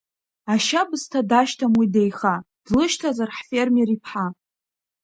Ашьабсҭа дашьҭам уи деиха, Длышьҭазар ҳфермер иԥҳа?!